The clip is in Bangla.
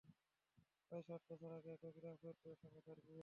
প্রায় সাত বছর আগে একই গ্রামের ফরিদের সঙ্গে তাঁর বিয়ে হয়।